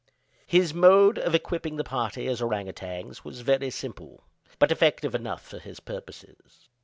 His mode of equipping the party as ourang outangs was very simple, but effective enough for his purposes.